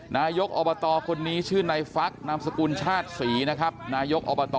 นายกอบตคนนี้ชื่อในฟักนามสกุลชาติศรีนะครับนายกอบต